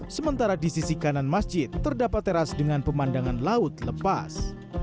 sementara di sisi kanan masjid terdapat teras dengan pemandangan laut lepas